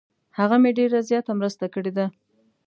هغه مې ډیر زیاته مرسته کړې ده.